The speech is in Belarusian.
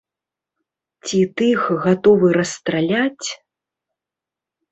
Ці тых гатовы расстраляць?